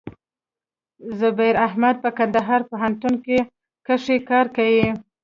زبير احمد په کندهار پوهنتون کښي کار کيي.